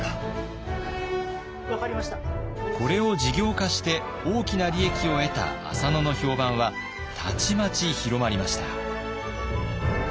これを事業化して大きな利益を得た浅野の評判はたちまち広まりました。